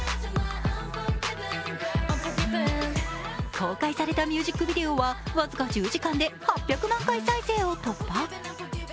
公開されたミュージックビデオは僅か１０時間で８００万回再生を突破。